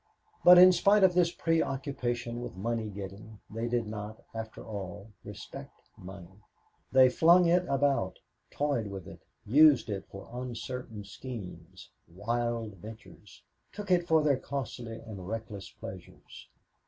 But, in spite of this preoccupation with money getting, they did not, after all, respect money. They flung it about, toyed with it, used it for uncertain schemes, wild ventures, took it for their costly and reckless pleasures.